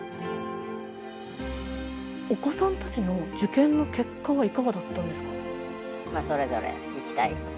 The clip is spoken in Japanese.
お子さんたちの受験の結果はいかがだったんですか？